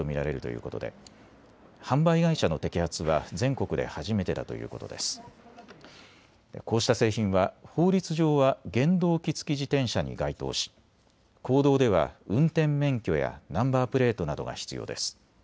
こうした製品は法律上は原動機付き自転車に該当し公道では運転免許やナンバープレートなどが必要です。